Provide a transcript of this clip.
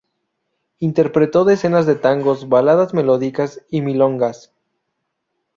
Interpretó decenas de tangos, baladas melódicas y milongas.